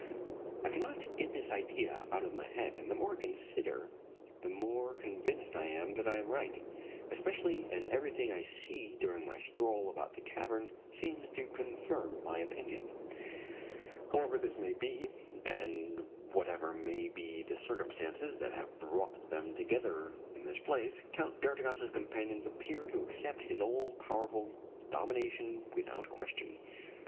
I cannot get this idea out of my head, and the more I consider the more convinced I am that I am right, especially as everything I see during my stroll about the cavern seems to confirm my opinion. However this may be, and whatever may be the circumstances that have brought them together in this place, Count d'Artigas' companions appear to accept his all powerful domination without question.